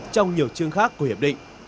trong nhiều chương khác của hiệp định